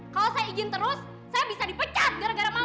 mas hendrik aku mau ke rumah